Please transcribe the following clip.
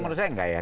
menurut saya tidak